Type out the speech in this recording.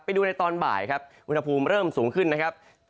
ไปดูในตอนบ่ายครับอุณหภูมิเริ่มสูงขึ้นนะครับ